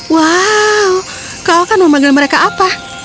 wow kau akan memanggil mereka apa